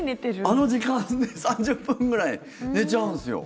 あの時間３０分ぐらい寝ちゃうんですよ。